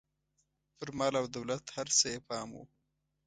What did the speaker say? پر مال او دولت هر څه یې پام و.